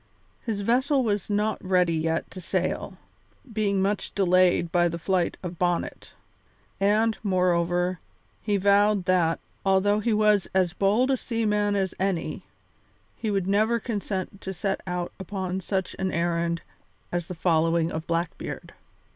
His vessel was not ready yet to sail, being much delayed by the flight of Bonnet. And, moreover, he vowed that, although he was as bold a seaman as any, he would never consent to set out upon such an errand as the following of Blackbeard.